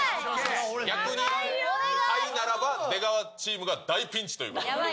逆にハイならば、出川チームが大ピンチということで。